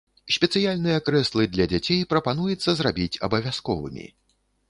Спецыяльныя крэслы для дзяцей прапануецца зрабіць абавязковымі.